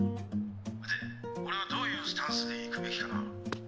「で俺はどういうスタンスでいくべきかな？」